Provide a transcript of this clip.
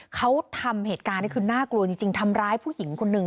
เขาทำเหตุการณ์นี้คือน่ากลัวจริงทำร้ายผู้หญิงคนหนึ่ง